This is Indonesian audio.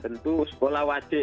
itu sekolah wajib